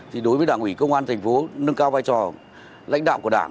thì đối với đảng ủy công an thành phố nâng cao vai trò lãnh đạo của đảng